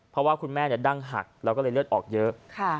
เพราะว่าคุณแม่ดั้งหักแล้วก็เลยเลือดออกเยอะ